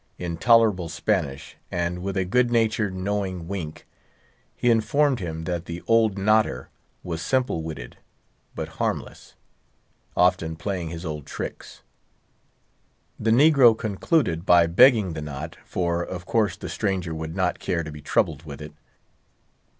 In tolerable Spanish, and with a good natured, knowing wink, he informed him that the old knotter was simple witted, but harmless; often playing his odd tricks. The negro concluded by begging the knot, for of course the stranger would not care to be troubled with it.